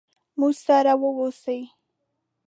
موږ سره ووسئ.